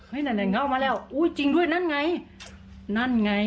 นั่นเขาเอามาแล้วอุ้ยจริงด้วยนั่นไงนั่นไง